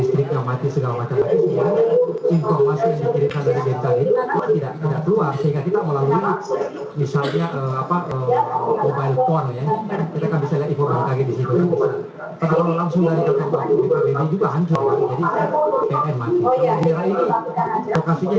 tidak keluar sehingga kita melalui misalnya apa mobile phone yang bisa di sini langsung juga